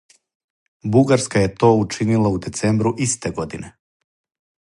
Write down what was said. Бугарска је то учинила у децембру исте године.